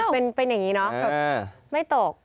เป็นอย่างนี้เนาะแบบไม่ตก